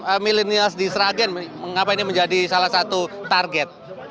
atau millennials di sragen mengapa ini menjadi salah satu target